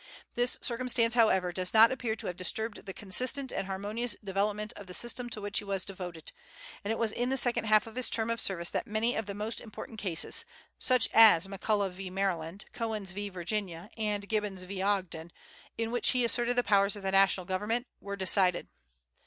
This circumstance, however, does not appear to have disturbed the consistent and harmonious development of the system to which he was devoted; and it was in the second half of his term of service that many of the most important cases such as McCulloch v. Maryland, Cohens v. Virginia, and Gibbons v. Ogden, in which he asserted the powers of national government were decided.